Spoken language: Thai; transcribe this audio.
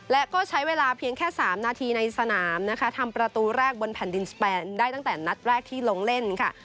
และก็ใช้เวลาเพียงแค่๓นาทีในสนามนะคะทำประตูแรกบนแผ่นดินสแปนได้ตั้งแต่นัดแรกที่ลงเล่นค่ะ